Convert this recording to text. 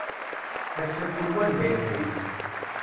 Ass-a kul wa anda yeqqim.